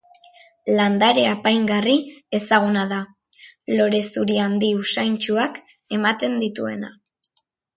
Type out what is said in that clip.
Landare apaingarri ezaguna da, lore zuri handi usaintsuak ematen dituena.